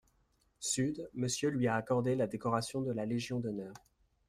sud Monsieur lui a accordé la décoration de la légion d'honneur.